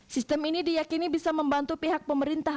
sistem ini diyakini bisa membantu pihak pemerintah